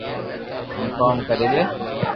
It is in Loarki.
ھين ڪوم ڪري لي